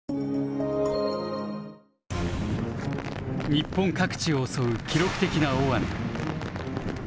日本各地を襲う記録的な大雨。